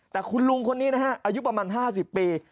แต่คุณลุงคนนี้นะฮะอายุประมาณ๕๐ปี